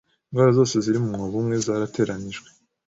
Indwara zose ziri mu mwobo umwe zarateranijwe